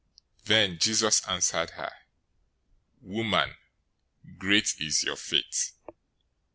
015:028 Then Jesus answered her, "Woman, great is your faith!